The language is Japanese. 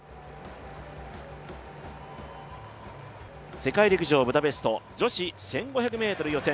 世界陸上ブダペスト、女子１５００ｍ予選